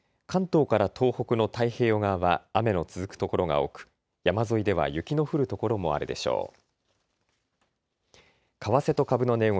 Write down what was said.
関東から東北の太平洋側は雨の続く所が多く山沿いでは雪の降る所もあるでしょう。